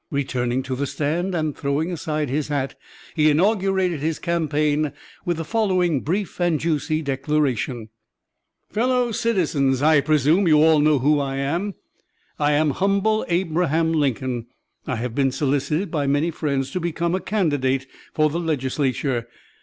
Returning to the stand, and throwing aside his hat, he inaugurated his campaign with the following brief and juicy declaration: "'Fellow Citizens: I presume you all know who I am. I am humble Abraham Lincoln. I have been solicited by many friends to become a candidate for the Legislature.